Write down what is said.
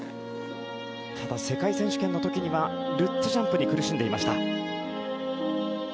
ただ、世界選手権の時にはルッツジャンプに苦しんでいました。